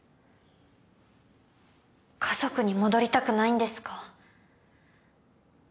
家族に戻りたくないんですか？